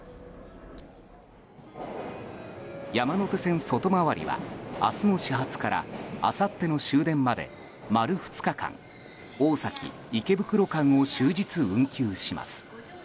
山手線外回りは明日の始発からあさっての終電まで丸２日間大崎池袋間を終日運休します。